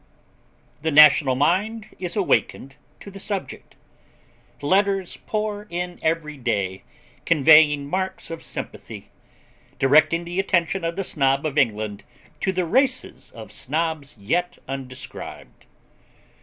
The national mind is awakened to the subject. Letters pour in every day, conveying marks of sympathy; directing the attention of the Snob of England to races of Snobs yet undescribed.